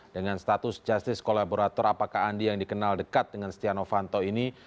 dengan status justice kolaborator apakah andi yang dikenal dekat dengan setia novanto ini